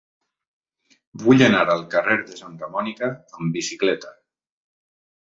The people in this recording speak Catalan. Vull anar al carrer de Santa Mònica amb bicicleta.